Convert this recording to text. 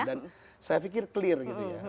dan saya pikir clear gitu ya